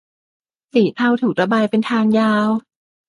สีเทาถูกระบายเป็นทางยาว